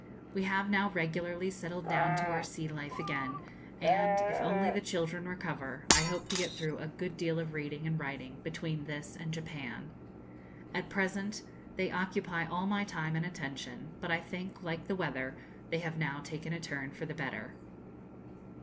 We have now regularly settled down to our sea life again, and, if only the children recover, I hope to get through a good deal of reading and writing between this and Japan. At present they occupy all my time and attention, but I think, like the weather, they have now taken a turn for the better.